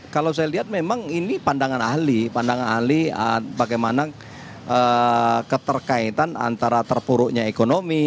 kalau saya lihat memang ini pandangan ahli pandangan ahli bagaimana keterkaitan antara terpuruknya ekonomi